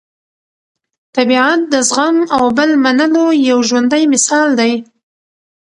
طبیعت د زغم او بل منلو یو ژوندی مثال دی.